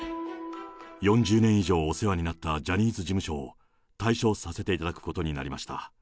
４０年以上お世話になったジャニーズ事務所を、退所させていただくことになりました。